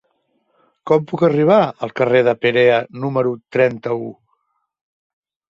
Com puc arribar al carrer de Perea número trenta-u?